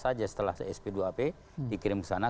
belakangan ini pun tiba tiba saja setelah sp dua p dikirim ke sana